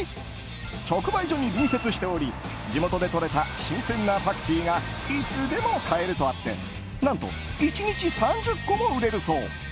直売所に隣接しており地元でとれた新鮮なパクチーがいつでも買えるとあって何と１日３０個も売れるそう。